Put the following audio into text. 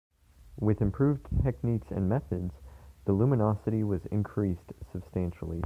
With improved techniques and methods, the luminosity was increased substantially.